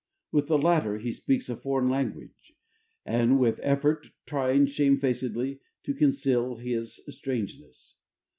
With the latter he speaks a foreign language and with effort, trying shamefacedly to conceal his strangeness.